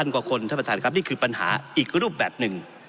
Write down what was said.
กว่าคนท่านประธานครับนี่คือปัญหาอีกรูปแบบหนึ่ง